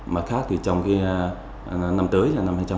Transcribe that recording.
mà khác thì trong cái năm tới